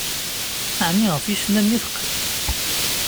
Ɛni, ɣef yisennanen i teqqim?